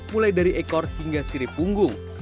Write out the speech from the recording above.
mulai dari ekor hingga sirip punggung